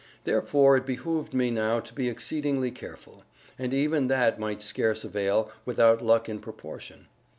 Therefore it behooved me now to be exceeding careful; and even that might scarce avail, without luck in proportion.